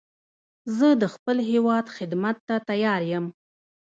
زه د خپل هېواد خدمت ته تیار یم